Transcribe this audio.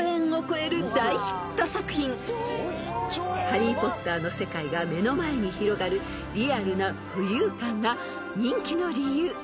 ［『ハリー・ポッター』の世界が目の前に広がるリアルな浮遊感が人気の理由］